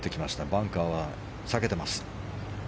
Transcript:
バンカーは避けています。